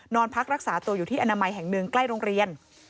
นอนพักรักษาตัวอยู่ที่อนามัยแห่งหนึ่งใกล้โรงเรียน